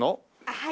はい。